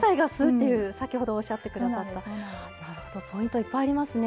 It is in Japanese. なるほどポイントいっぱいありますね。